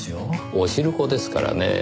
おしるこですからねぇ。